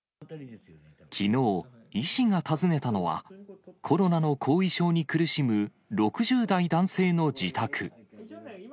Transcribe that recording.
きのう、医師が訪ねたのは、コロナの後遺症に苦しむ６０代男性の自宅。